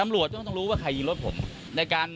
คุณผู้ชมฟังเสียงพี่โจ๊กหน่อยค่ะ